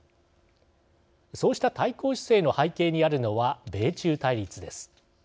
そうした対抗姿勢の背景にあるのは、米中対立です。